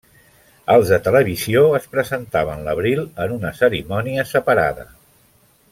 Els de televisió es presentaven l'abril en una cerimònia separada.